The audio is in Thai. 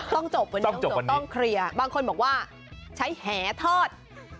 ต้องจบวันนี้ต้องจบต้องเคลียร์บางคนบอกว่าใช้แหทอด